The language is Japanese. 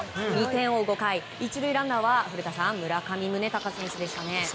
２点を追う５回、１塁ランナーは古田さん村上宗隆選手でしたね。